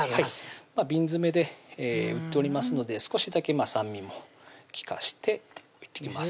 瓶詰めで売っておりますので少しだけ酸味も利かしていきます